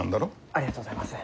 ありがとうございます。